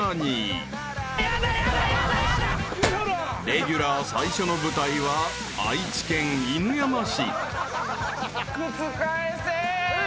［レギュラー最初の舞台は愛知県犬山市］・靴返せ！